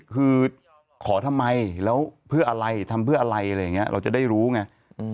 คือขอทำไมแล้วเพื่ออะไรทำเพื่ออะไรอะไรอย่างนี้เราจะได้รู้ไง